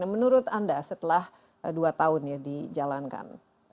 menurut anda setelah dua tahun ya dijalankan